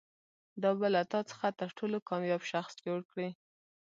دا به له تا څخه تر ټولو کامیاب شخص جوړ کړي.